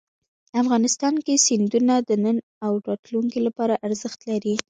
افغانستان کې سیندونه د نن او راتلونکي لپاره ارزښت لري.